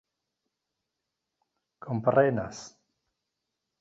komprenas